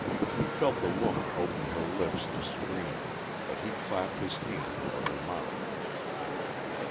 He felt the woman open her lips to scream, but he clapped his hand over her mouth.